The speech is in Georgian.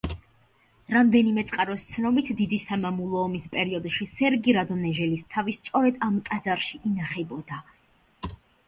რამდენიმე წყაროს ცნობით დიდი სამამულო ომის პერიოდში სერგი რადონეჟელის თავი სწორედ ამ ტაძარში ინახებოდა.